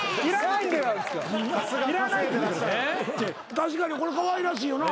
確かにこれかわいらしいよな。